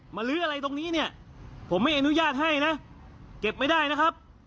ลื้ออะไรตรงนี้เนี่ยผมไม่อนุญาตให้นะเก็บไม่ได้นะครับ